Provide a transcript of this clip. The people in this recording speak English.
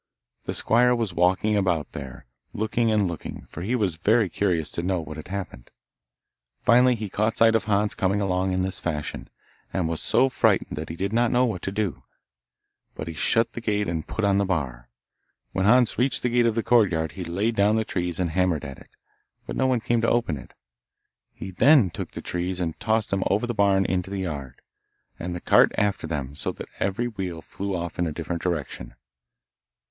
The squire was walking about there, looking and looking, for he was very curious to know what had happened. Finally, he caught sight of Hans coming along in this fashion, and was so frightened that he did not know what to do, but he shut the gate and put on the bar. When Hans reached the gate of the courtyard, he laid down the trees and hammered at it, but no one came to open it. He then took the trees and tossed them over the barn into the yard, and the cart after them, so that every wheel flew off in a different direction.